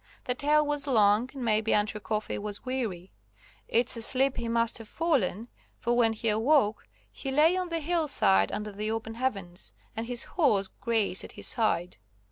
The tale was long, and maybe Andrew Coffey was weary. It's asleep he must have fallen, for when he awoke he lay on the hill side under the open heavens, and his horse grazed at his side.